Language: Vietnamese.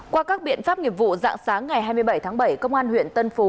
qua các biện pháp nghiệp vụ dạng sáng ngày hai mươi bảy tháng bảy công an huyện tân phú